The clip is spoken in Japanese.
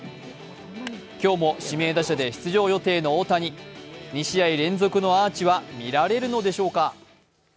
今日も指名打者で出場予定の大谷２試合連続のアーチは見られるのでしょうか。